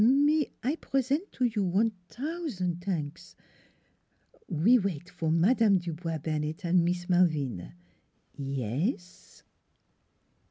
Me I present to you one tousan' tanks. ... We wait for Madame Dubois Bennett an' Mees Mal vina e e ss?